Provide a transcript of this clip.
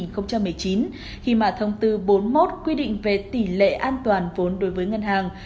khi mà thông tư bốn mươi một quy định về tỷ lệ an toàn vốn đối với ngân hàng